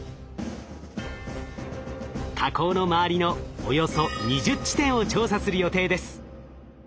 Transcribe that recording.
火口の周りのおよそ２０地点を調査する予定です。